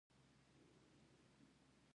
که زړه نرمه شي، نو خبرې به اسانه شي.